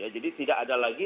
jadi tidak ada lagi